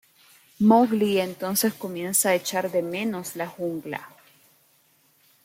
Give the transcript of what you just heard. Mowgli entonces comienza a echar de menos la jungla.